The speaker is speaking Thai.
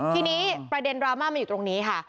ทีนี้ประเด็นดราม่ามันอยู่ตรงนี้ค่ะ